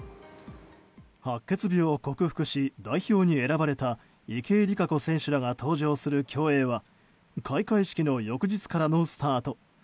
白血病を克服し代表に選ばれた池江璃花子選手らが登場する競泳は開会式の翌日からのスタート。